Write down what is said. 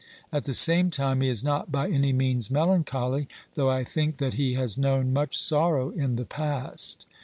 At the same time he is not by any means melancholy, though I think that he has known much sorrow in the past.